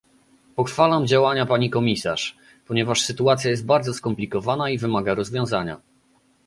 Pochwalam działania pani komisarz, ponieważ sytuacja jest bardzo skomplikowana i wymaga rozwiązania